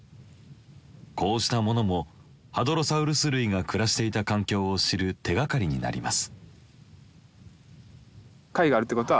こうしたものもハドロサウルス類が暮らしていた環境を知る手がかりになります。